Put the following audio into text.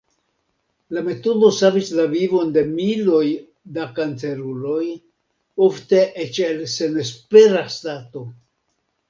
La metodo savis la vivon de miloj da kanceruloj, ofte eĉ el senespera stato.